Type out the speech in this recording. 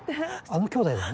あのきょうだいだな？